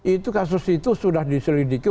itu kasus itu sudah diselidiki